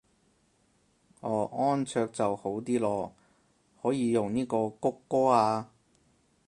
哦安卓就好啲囉，可以用呢個穀歌啊